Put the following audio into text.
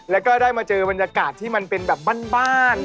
แล้วก็ได้มาเจอบรรยากาศที่มันเป็นแบบบ้าน